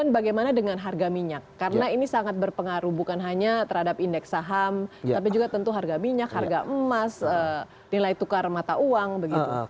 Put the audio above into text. bagaimana dengan harga minyak karena ini sangat berpengaruh bukan hanya terhadap indeks saham tapi juga tentu harga minyak harga emas nilai tukar mata uang begitu